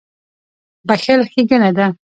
• بښل ښېګڼه ده.